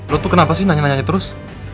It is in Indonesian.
lo tuh kenapa sih nanya nanya terus